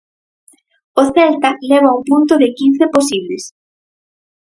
O Celta leva un punto de quince posibles.